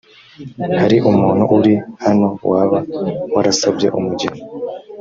hari umuntu uri hano waba yarasabye umugeni ?